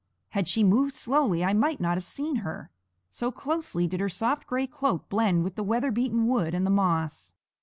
Had she moved slowly I might not have seen her, so closely did her soft gray cloak blend with the weather beaten wood and the moss.